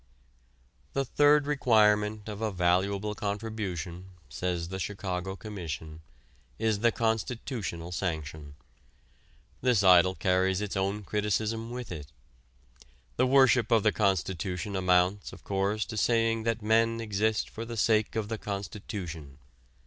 The third requirement of a valuable contribution, says the Chicago Commission, is the constitutional sanction. This idol carries its own criticism with it. The worship of the constitution amounts, of course, to saying that men exist for the sake of the constitution.